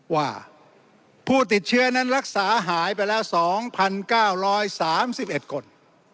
ว่าผู้ติดเชื้อนั้นรักษาหายไปแล้ว๒๙๓๑คน